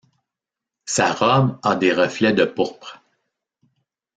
Sa robe a des reflets de pourpre.